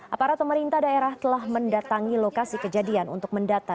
aparat pemerintah daerah telah mendatangi lokasi kejadian untuk mendata